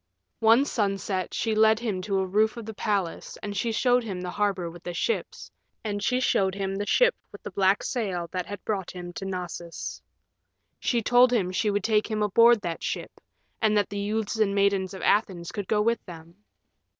One sunset she led him to a roof of the palace and she showed him the harbor with the ships, and she showed him the ship with the black sail that had brought him to Knossos. She told him she would take him aboard that ship, and that the youths and maidens of Athens could go with them.